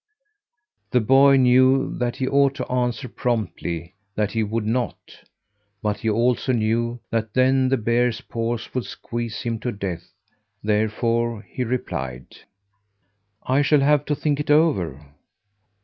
The boy knew that he ought to answer promptly that he would not, but he also knew that then the bear's paws would squeeze him to death; therefore he replied: "I shall have to think it over."